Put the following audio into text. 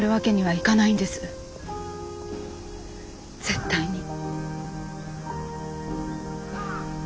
絶対に。